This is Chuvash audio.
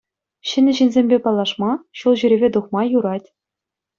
Ҫӗнӗ ҫынсемпе паллашма, ҫул ҫӳреве тухма юрать.